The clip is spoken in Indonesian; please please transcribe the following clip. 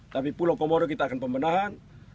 tapi pulau komodo kita akan pembenahan